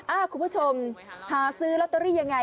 คุณผู้ชมหาซื้อลอตเตอรี่ยังไง